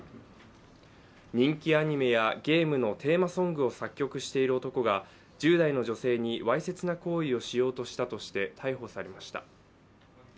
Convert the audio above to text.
人気アニメやゲームのテーマソングを作曲している男が１０代の女性にわいせつな行為をしようとしたとして逮捕されました。